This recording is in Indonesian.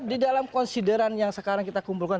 di dalam konsideran yang sekarang kita kumpulkan